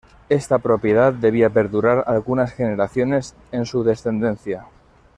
Esta propiedad debía perdurar algunas generaciones en su descendencia.